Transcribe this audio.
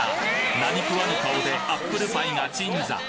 何食わぬ顔でアップルパイが鎮座